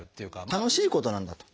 楽しいことなんだと。